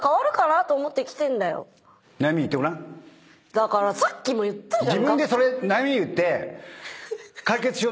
だからさっきも言ったじゃん。